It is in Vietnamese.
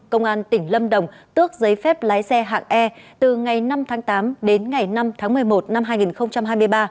công an tỉnh lâm đồng tước giấy phép lái xe hạng e từ ngày năm tháng tám đến ngày năm tháng một mươi một năm hai nghìn hai mươi ba